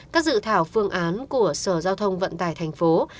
các dự thảo phương án của sở giao thông vận tải tp hcm